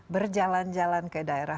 berjalan jalan ke daerah